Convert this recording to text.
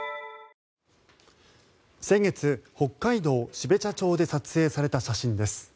先月、北海道標茶町で撮影された写真です。